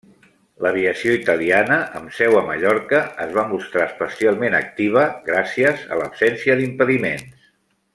L'aviació italiana, amb seu a Mallorca, es va mostrar especialment activa, gràcies a l'absència d'impediments.